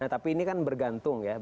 nah tapi ini kan bergantung ya